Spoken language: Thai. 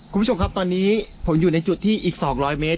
คุณผู้ชมครับตอนนี้ผมอยู่ในจุดที่อีก๒๐๐เมตร